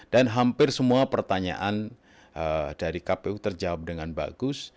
dan hampir semua pertanyaan dari kpu terjawab dengan bagus